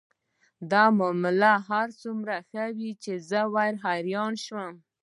دا معامله دومره ښه وه چې زه حیرانه شوم